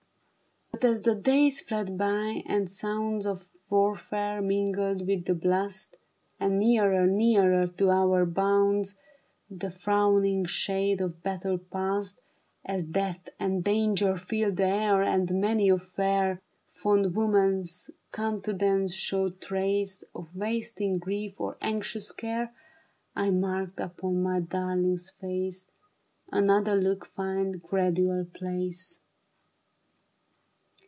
But as the days fled by, and sounds Of warfare mingled with the blast, And nearer, nearer to our bounds The frowning shade of Battle passed ; As death and danger filled the air, And many a fair Fond woman's countenance showed trace Of wasting grief or anxious care, I marked upon my darling's face. Another look find gradual place.